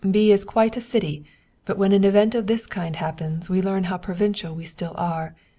" B. is quite a city, but when an event of this kind happens we learn how provincial we still are.